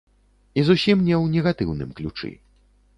І зусім не ў негатыўным ключы.